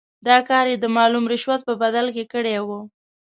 دا کار یې د معلوم رشوت په بدل کې کړی وو.